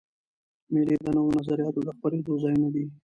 مېلې د نوو نظریاتو د خپرېدو ځایونه دي.